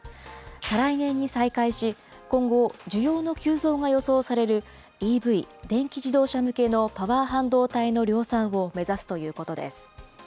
再来年に再開し、今後、需要の急増が予想される、ＥＶ・電気自動車向けのパワー半導体の量産を目指すということです。